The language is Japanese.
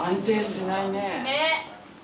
ねっ。